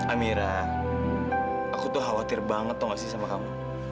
amira aku tuh khawatir banget tuh gak sih sama kamu